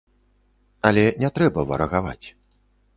Але не трэба варагаваць.